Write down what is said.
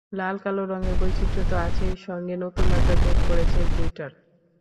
লাল, কালো—রঙের বৈচিত্র্য তো আছেই, সঙ্গে নতুন মাত্রা যোগ করেছে গ্লিটার।